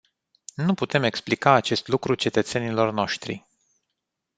Nu putem explica acest lucru cetățenilor noștri.